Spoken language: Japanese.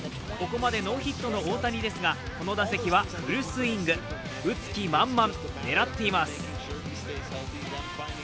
ここまでノーヒットの大谷ですが、この打席はフルスイング、打つ気満々、狙っています。